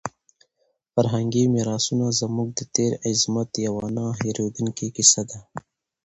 فرهنګي میراثونه زموږ د تېر عظمت یوه نه هېرېدونکې کیسه ده.